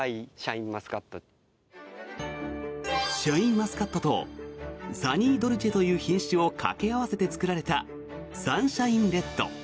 シャインマスカットとサニードルチェという品種を掛け合わせて作られたサンシャインレッド。